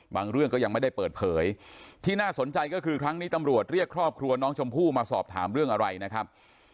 เรื่องก็ยังไม่ได้เปิดเผยที่น่าสนใจก็คือครั้งนี้ตำรวจเรียกครอบครัวน้องชมพู่มาสอบถามเรื่องอะไรนะครับ